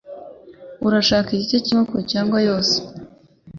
Urashaka igice cyinkoko cyangwa yose